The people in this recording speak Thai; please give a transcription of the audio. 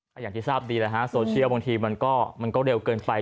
ก็อย่างที่ทราบดีแล้วฮะโซเชียลบางทีมันก็เร็วเกินไป